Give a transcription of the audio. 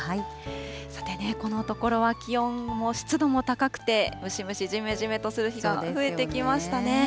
さて、このところは気温も湿度も高くて、ムシムシ、じめじめとする日が増えてきましたね。